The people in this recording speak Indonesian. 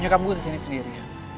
nyokap gue kesini sendiri